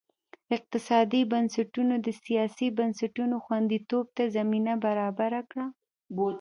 اقتصادي بنسټونو د سیاسي بنسټونو خوندیتوب ته زمینه برابره کړه.